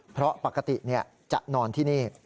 เพราะปกติจะนอนที่นี่